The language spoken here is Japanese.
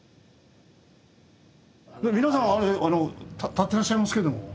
皆さん立ってらっしゃいますけども。